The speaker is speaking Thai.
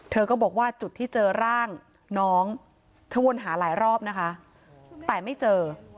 เธอก็บอกว่าจุดที่เจอร่างน้องเธอวนหาหลายรอบนะคะแต่ไม่เจอ